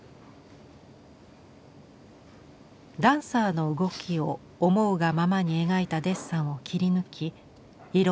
ダンサーの動きを思うがままに描いたデッサンを切り抜き色を塗り